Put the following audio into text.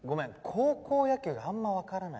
高校野球あんまわからないね。